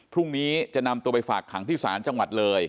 พรุ่งนี้จะนำตัวไปฝากขังที่ศาลจังหวัดเลย